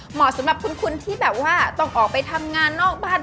เหมาะสำหรับคุณที่แบบว่าต้องออกไปทำงานนอกบ้าน